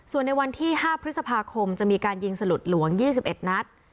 ส่วนในวันที่๕พฤษภาคมจะมีการยิงสลุดหลวง๒๑นัด